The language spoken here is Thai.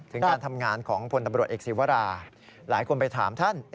ถึงการทำงานของพลตำรวจเอกศีวราหลายคนไปถามท่าน